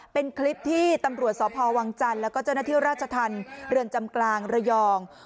เป็นคลิปที่ตำรวจสพวังจันทร์แล้วก็เจ้าหน้าที่ราชธรรมเรือนจำกลางระยอง